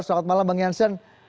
selamat malam bang yansen